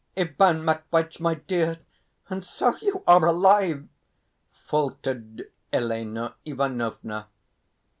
"Ivan Matveitch, my dear, and so you are alive!" faltered Elena Ivanovna.